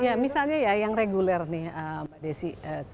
ya misalnya ya yang reguler nih mbak desi